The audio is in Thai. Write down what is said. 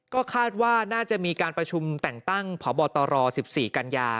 ก็คาดว่าน่าจะมีการประชุมแต่งตั้งพบตร๑๔กันยา